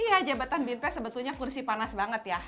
iya jabatan bimp pres sebetulnya kursi panas banget ya